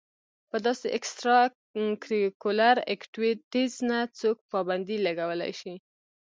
پۀ داسې اېکسټرا کريکولر ايکټويټيز نۀ څوک پابندي لګولے شي